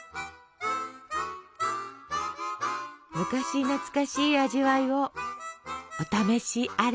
昔懐かしい味わいをお試しあれ。